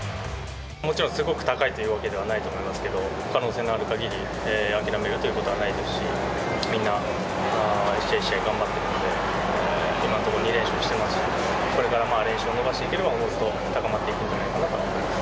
もちろんすごく高いというわけではないですけれども、可能性のあるかぎり諦めるということはないですし、みんな、一試合一試合、頑張ってるので、今のところ、２連勝してますし、これから連勝伸ばしていければ、おのずと高まっていくんじゃないかなと思います。